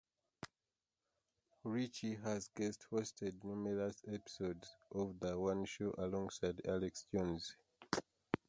Richie has guest hosted numerous episodes of "The One Show" alongside Alex Jones.